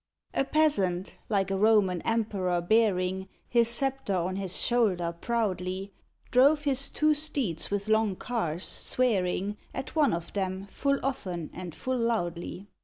A Peasant, like a Roman Emperor bearing His sceptre on his shoulder, proudly Drove his two steeds with long cars, swearing At one of them, full often and full loudly.